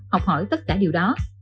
học hỏi tất cả điều đó